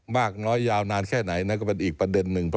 มากน้อยยาวนานแค่ไหนนั่นก็เป็นอีกประเด็นหนึ่ง